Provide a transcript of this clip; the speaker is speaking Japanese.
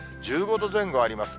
１５度前後あります。